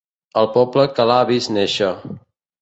El poble que l'ha vist néixer.